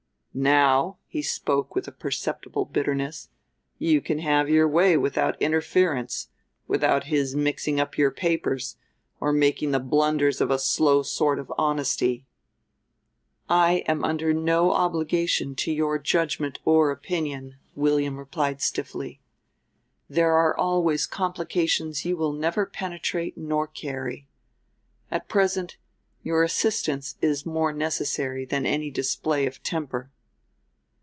"Now," he spoke with a perceptible bitterness, "you can have your way without interference, without his mixing up your papers or making the blunders of a slow sort of honesty." "I am under no obligation to your judgment or opinion," William replied stiffly. "There are always complications you will never penetrate nor carry. At present your assistance is more necessary than any display of temper."